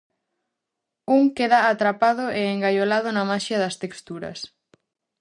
Un queda atrapado e engaiolado na maxia das texturas.